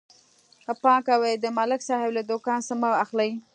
پام کوئ، د ملک صاحب له دوکان څه مه اخلئ.